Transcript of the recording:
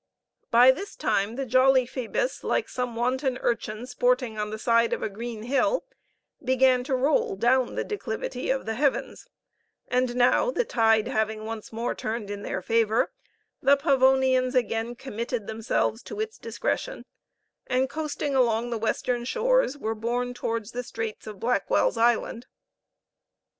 By this time the jolly Phoebus, like some wanton urchin sporting on the side of a green hill, began to roll down the declivity of the heavens; and now, the tide having once more turned in their favor, the Pavonians again committed themselves to its discretion, and coasting along the western shores, were borne towards the straits of Blackwell's Island.